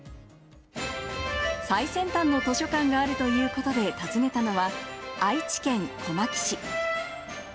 最先端の図書館があるということで訪ねたのは、愛知県小牧市。